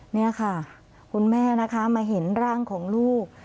นี่ค่ะคุณแม่นะคะมาเห็นร่างของลูก